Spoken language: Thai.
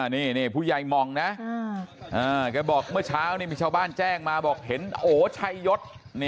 นี่ผู้ใหญ่มองนะแกบอกเมื่อเช้านี่มีชาวบ้านแจ้งมาบอกเห็นโอชัยยศ